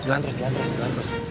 jalan terus jalan terus jalan terus